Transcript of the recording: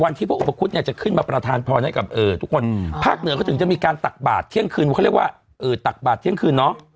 ที่พระอุปคุฎเนี่ยจะขึ้นมาประทานพรให้กับทุกคนภาคเหนือเขาถึงจะมีการตักบาทเที่ยงคืนเขาเรียกว่าตักบาทเที่ยงคืนเนาะ